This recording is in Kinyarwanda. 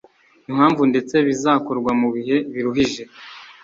impavu ndetse bizakorwa mu bihe biruhije